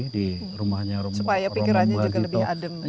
supaya pikirannya juga lebih adem